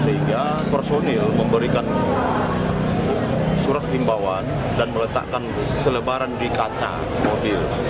sehingga personil memberikan surat himbawan dan meletakkan selebaran di kaca mobil